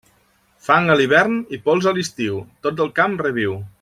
Fang a l'hivern i pols a l'estiu, tot el camp reviu.